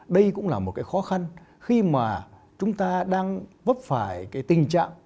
đây cũng là một cái khó khăn khi mà chúng ta đang vấp phải cái tình trạng